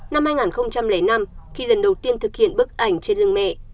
năm hai nghìn năm khi lần đầu tiên thực hiện bức ảnh trên lưng mẹ